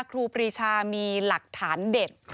ครูปรีชามีหลักฐานเด็ด